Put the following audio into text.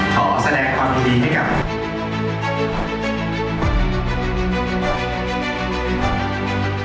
ขอแสดงความยินดีให้กับ